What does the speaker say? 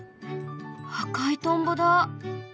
赤いトンボだ。